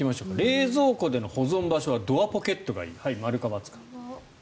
冷蔵庫の保存はドアポケットがいい○か×か。